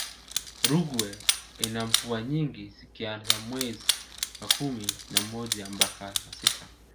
rungwe ina mvua nyingi zikianza mwez wa kumi na moja mpaka wa sita